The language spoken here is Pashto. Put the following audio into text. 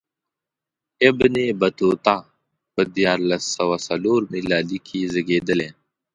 ابن بطوطه په دیارلس سوه څلور میلادي کې زېږېدلی.